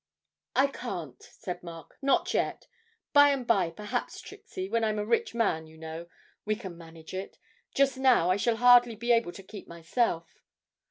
'I can't,' said Mark, 'not yet by and by, perhaps, Trixie, when I'm a rich man, you know, we can manage it just now I shall hardly be able to keep myself.'